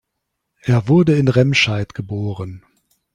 Er wurde in Remscheid geboren